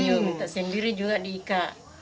iya minta sendiri juga diikat